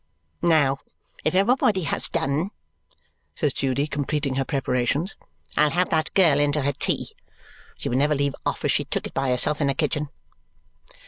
"Now, if everybody has done," says Judy, completing her preparations, "I'll have that girl in to her tea. She would never leave off if she took it by herself in the kitchen."